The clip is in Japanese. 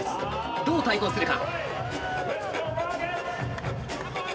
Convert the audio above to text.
どう対抗するか。